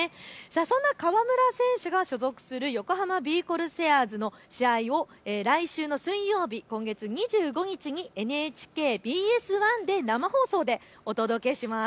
そんな河村選手が所属する横浜ビー・コルセアーズの試合を来週の水曜日、今月２５日にＮＨＫＢＳ１で生放送でお届けします。